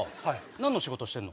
何の仕事してんの？